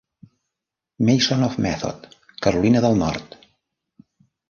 Mason of Method, Carolina del Nord.